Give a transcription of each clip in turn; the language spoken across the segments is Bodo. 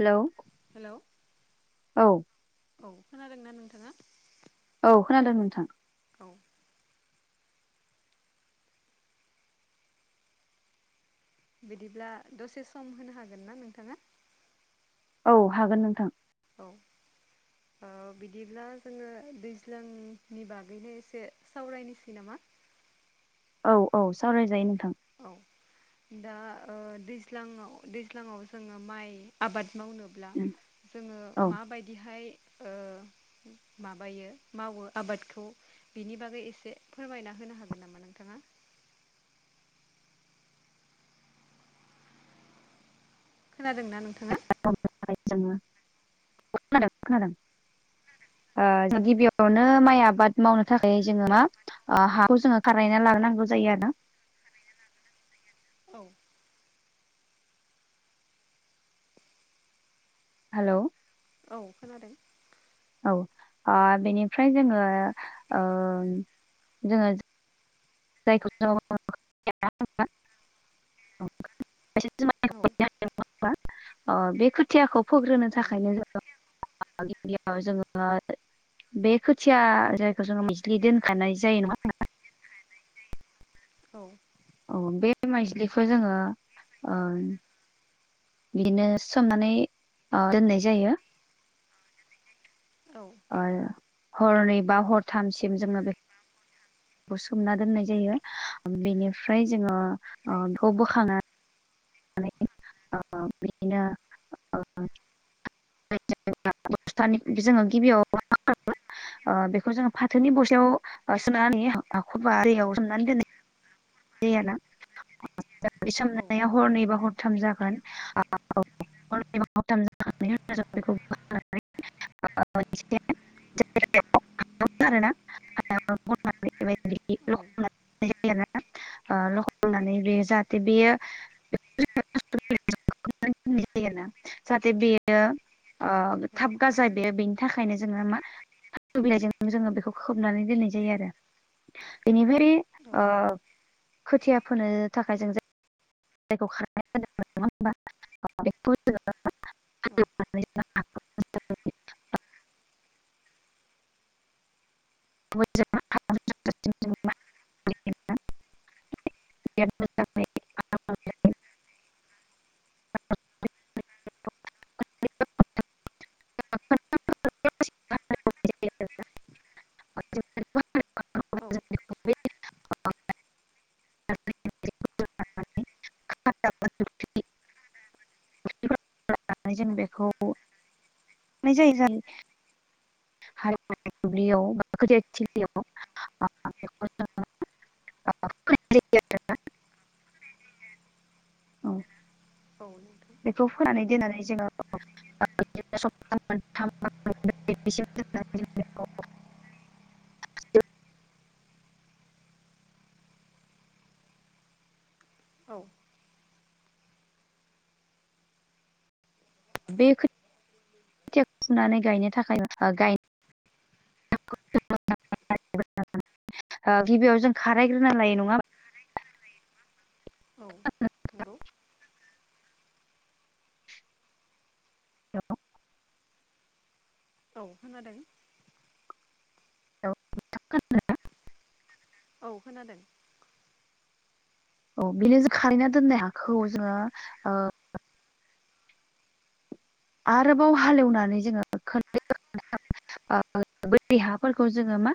हेलौ हेलौ औ औ खोनादोंना नोंथाङा? औ खोनादों नोंथां औ बिदिब्ला दसे सम होनो हागोन ना नोंथाङा? औ हागोन नोंथां औ ओ बिदिब्ला जोङो दैज्लांनि बागैनो एसे सावरायनोसै नामा औ औ सावरायजायो नोंथां औ दा ओ दैज्लाङाव दैज्लाङाव जोङो माइ आबाद मावनो अब्ला उम, जोङो औ माबायदिहाय ओ माबायो मावो आबादखौ बिनि बागै एसे फोरमायना होनो हागोन नामा नोंथाङा? खोनादों नों [unintelligible] जोङो खोनादों खोनादों ओ औ जों गिबियाव बेयावनो माइ आबाद मावनो थाखाय जोङो मा ओ हाखौ जोङो खारायना लाग्रोनांगौ जायो आरो ना औ हेलौ औ खोनादों औ ओ बेनिफ्राय जोङो ओम जोङो [unintelligible] [unintelligible] औ ओ बे खोथियाखौ फोग्रोनो औ थाखायनो जोङो गिबियाव जोङो बे खोथिया जायखौ जोङो मिस्लि दोनखानाय जायो नङा होनबा औ औ बे माइज्लिखौ जोङो ओ बिदिनो सोमनानै ओ दोननाय जायो औ ओ हरनै बा हरथामसिम जोङो बे बेखौ सोमना दोननाय जायो बेनिफ्राय जोङो ओ बेखौ बोखांनानै [unintelligible] ओ बिदिनो [unintelligible] बस्थानि जोङो गिबियाव ओ बेखौ जोङो फाथोनि बस्थायाव [unintelligible] सोमनानै दोनो [unintelligible] बे औ सोमनाया हरनैबा हरथाम जागोन औ औ [unintelligible] [unintelligible] [unintelligible] [unintelligible] ओ लखबनानै बेयो जाहाथे बेयो [unintelligible] [unintelligible] जाहाथे बे बेयो ओ थाब गाजा बेयो बेनि थाखायनो जोङो मा? फु बिलाइजोंनो जोङो बेखौ खोबनानै दोननाय जायो आरो। औ बेनिफ्राय खोथिया फोनो थाखाय जों [unintelligible] हालेवनानै जों [unintelligible] औ जों जों बेखौनाय जायो जाय हा दुब्लियाव बा खोथियाथिलियाव [unintelligible] औ औ नोंथां बेखौ फोनानै दोननानै जोङो मोनथाम [unintelligible] बेखौ औ बे खोथियाखौ फुनानै गायनो थाखाय गाय [inaudible] [unintelligible] गिबियाव जों खारायग्रोना लायो नङा औ नंगौ [unintelligible] हेल' औ खोनादों औ [unintelligible] औ खोनादों। औ बेनो जों खारैना दोननाय हाखौ जोङो ओ आरोबाव हालेवनानै जोङो [unintelligible] [unintelligible] हाफोरखौ जोङो मा?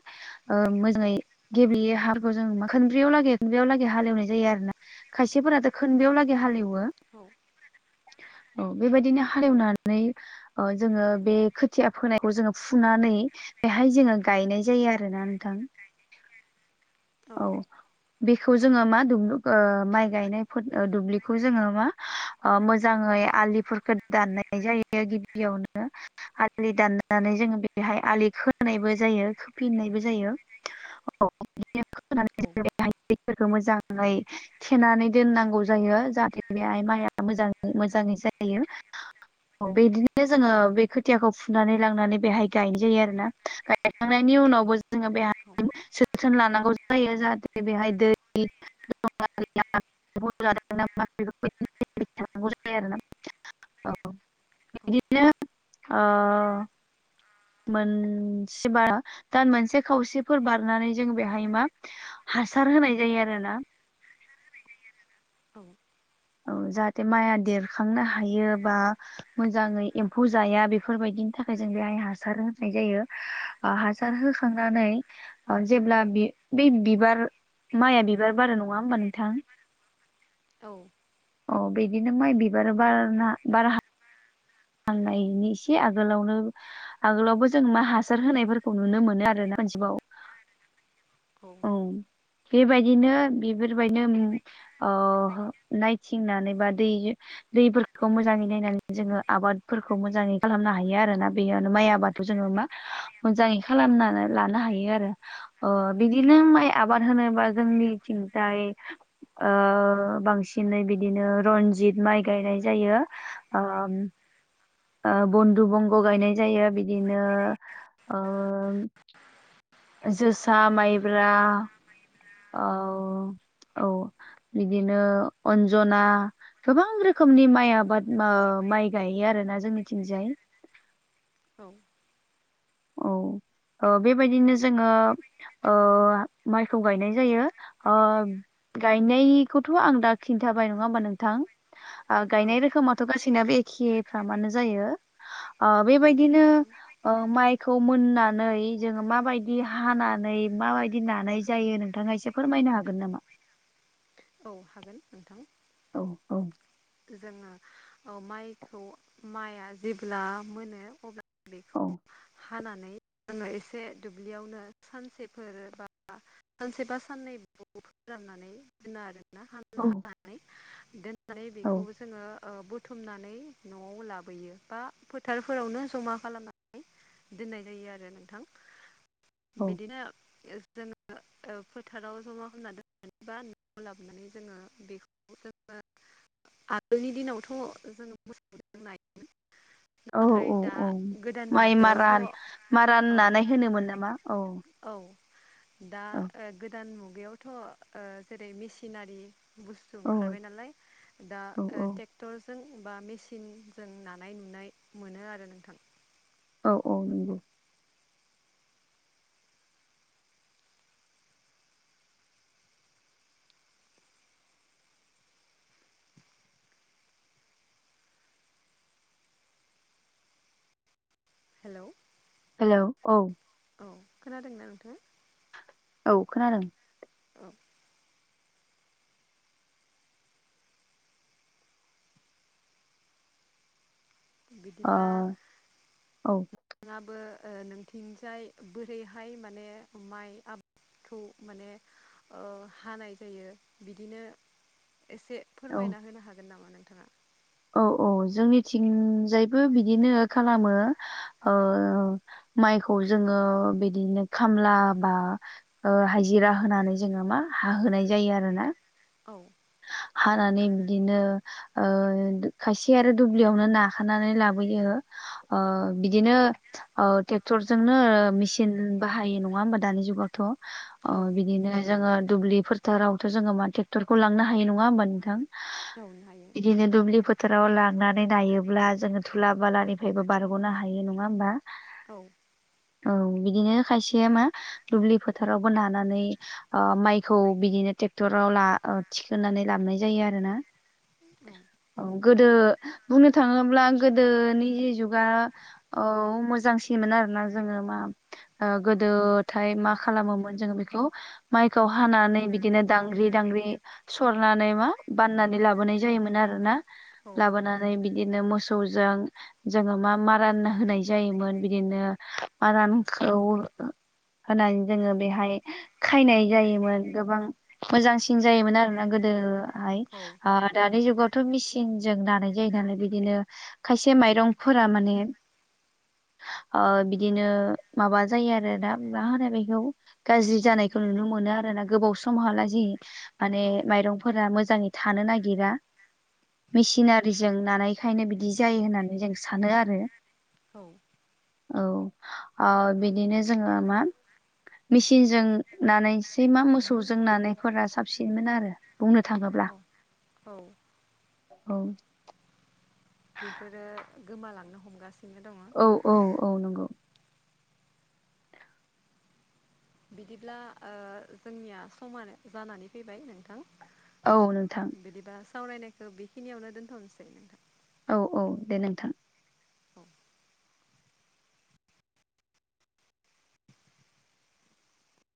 ओ मोजाङै गेबेयै हारखौ जों मा खोनब्रैयाव लागै खुब्रियाव लागै हालेवनाय जायो आरो ना? खायसेफोराथ' खोनबयावलागै हालेवो औ औ बेबायदिनो औ हालेवनानै जोङो बे खोथिया फोनायखौ जोङो फुनानै बेहाय जोङो गायनाय जायो आरोना नोंथां? [inaudible] औ बेखौ जोङो मा दुब माइ गायनायफोर दुब्लिखौ जोङो मा? अ मोजाङै आलिफोरखौ दाननाय जायो गिबियावनो आलि दाननानै जोंो बेहाय आलि खोनायबो जायो खोफिननायबो जायो। [unintelligible] औ बिदिनोफोरखौ मोजाङै थेनानै दोननांगौ जायो जाहाथे बेहाय माइआ मोजाङ मोजाङै जायो। बिदिनो जोङो बे खोथियाखौ फुनानै लांनानै बेहाय गायनाय जायो आरो ना गायखांनायनि उनावबो जो जोङो बेहाय जोथोन लानांगौ जायो जाहाथे बेहाय दै [unintelligible] औ बिदिनो अ मोनसे बारा दा मोनसे खावसेफोर बारनानै जों बेहाय मा? हासार होनाय जायो आरोना? औ औ जाहाथे माइआ देरखांनो हायो बा मोजाङै एम्फौ जाया बेफोरबायदिनि थाखाय जों बेहाय हासार होनाय जायो। हासार होखांनानै जेब्ला बै बिबार माइआ बिबार बारा नङा होमबा नोंथां? औ अ बिदिनो माइ बिबार बार बारहां फाननायनि इसे आगोलावनो आगोलावबो जों मा हासार होनायफोरखौ नुनो मोनो आरो ना मोनजेबाव औ। बेबायदिनो बेफोरबायदिनो नायथिंनानै बा दै दैफोरखौ मोजाङै नायनानै जोङो आबादफोरखौ मोजाङै खालामनो हायो आरोना बेयावनो माइ आबाद जोङो मा मोजाङै खालामनानै लानो हायो आरो। अ बिदिनो माइ आबाद होनोबा जोंनि सिन्थाय बांसिनै बिदिनो रनजित माइ गायनाय जायो। ओ ओ बन्दु बंग' गायनाय जायो बिदिनो जोसा माइब्रा औ औ बिदिनो अन्जना गोबां रोखोमनि माइ आबाद माइ गायो आरोना जोंनिथिंजाय औ। औ बेबायदिनो जोङो माइखौ गायनाय जायो। गायनायखौथ' आं दा खिन्थाबाय नङा होमबा नोंथां? औ गायनाय रोखोमाथ' गासैना बे एखे फ्रामानो जायो। बेबायदिनो एखेयानो माइक खौ मोननानै जोङो माबायदि हानानै माबायदि नानाय जायो नोंथाङा एसे फोरमायनो हागोन नामा? औ हागोन नोंथां। औ औ। जोङो माइखौ माइआ जेब्ला मोनो अब्ला बेखौ औ। हानानै आङो एसे दुब्लियावनो सानसेफोर बा सानसे बा साननै फोराननानै दोनो आरोना औ हानानै दोननानै औ बेखौ जोङो। बुथुमनानै न'आव लाबोयो बा फोथारफोरावनो जमा खालामनानै दोननाय जायो आरो नोंथां। औ बिदिनो जोङो फोथाराव जमा खालामनानै दोननानै बा न'आव लाबोनानै जोङो बेखौ जोङो आगोलनि दिनावथ' जोङो मोसां नायोमोन। औ नाथाय दा औ गोदान माइ मुगायावथ' मारान मारान नानाय होनोमोन नामा औ। औ दा औ गोदान मुगायावथ' जेरै मेसिनारि बुस्थु औ ओंखारबाय नालाय दा औ टेक औ ट्रेक्टरजों बा मेसििनजों नानाय नुनाय मोनो आरो नोंथां। औ औ नंगौ। हेलौ। हेल' औ। औ खोनादोंना नोंथां। औ खोनादों। औ। ओ बिदिब्ला औ नाङाबो नोंथिंजाय बोरैहाय माने माइ आ खौ माने हानाय जायो बिदिनो एसे औ फोरमायना होनो हागोन नामा नोंथाङा? औ औ जोंनिथिंजायबो बिदिनो खालामो। माइखौ जोङो बिदिनो खामला बा हाइजिरा होनानै जोङो मा हाहोनाय जायो आरो ना। औ हानानै बिदिनो ओ खायसे आरो दुब्लियावनो नाखानानै लाबोयो ओ बिदिनो ओ ट्रेक्टरजोंनो मेसिन बाहायो नङा होमबा दानि जुगावथ' अ औ बिदिनो जोङो दुब्लि फोथारावथ' जोङो मा ट्रेक्टर खौ लांनो हायो नङा होमबा नोंथां [unintelligible] हायो बिदिनो दुब्लि फोथाराव लांनानै नायोब्ला जोङो थुला बालानिफ्रायबो बारग'नो हायो नङा होमबा औ औ बिदिनो खायसेया मा दुब्लि फोथारावबो नानानै ओ माइखौ बिदिनो ट्रेक्टराव ला ओ थिखोनानै लाबनाय जायो आरो ना औ औ गोदो बुंनो थाङोब्ला गोदोनि जि जुगा औ मोजांसिनमोन आरोना जोङो मा ओ गोदोथाय मा खालामोमोन जोङो बेखौ माइखौ हानानै बिदिनो दांग्रि दांग्रि सरनानै मा बाननानै लाबोनाय जायोमोन आरो ना औ लाबोनानै जे बिदिनो मोसौजों जोङो मा मारान होनाय जायोमोन बिदिनो मारानखौ होनानै जोङो बेहाय खायनाय जायोमोन गोबां मोजांसिन जायोमोन आरोना गोदोहाय औ ओ दानि जुगाव थ' मेसिनजों दानाय जायो नालाय बिदिनो खायसे माइरंफोरा माने ओ बिदिनो माबा जायो आरो दा मा होनाय बेखौ गाज्रि जानायखौ नुनो मोनो आरो ना गोबाव सम हाला जि माने औ माइरंफोरा मोजाङै थानो नागिरा मेसिनारिजों नानायखायनो बिदि जायो होननानै जों सानो आरो औ औ ओ बिदिनो जोङो मा मेसिनजों नानायसै मा मोसौजों नानायफोरा साब साबसिनमोन आरो बुंनो थाङोब्ला औ औ बेफोरो गोमालांनो हमगासिनो दङ औ औ औ नंगौ बिदिब्ला ओ जोंनिया समानो जानानै फैबाय नोंथां औ नोंथां बिदिबा सावरायनायखौ बेखिनियावनो दोनथ'नोसै नोंथां औ औ दे नोंथां औ